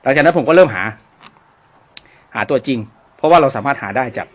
ฉะนั้นผมก็เริ่มหาหาตัวจริงเพราะว่าเราสามารถหาได้จาก